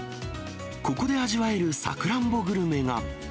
ここで味わえるさくらんぼグルメが。